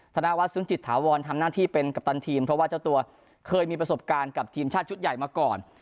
ธนวัฒนซึ้งจิตถาวรทำหน้าที่เป็นกัปตันทีมเพราะว่าเจ้าตัวเคยมีประสบการณ์กับทีมชาติชุดใหญ่มาก่อน